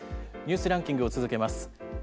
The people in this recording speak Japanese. ニュースランキングを続けます。